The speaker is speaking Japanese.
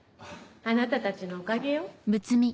あなたたちのおかげよ。